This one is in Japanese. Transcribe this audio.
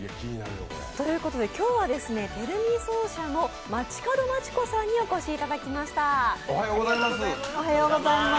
今日はテルミン奏者の街角マチコさんにお越しいただきました。